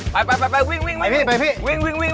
ไปวิ่ง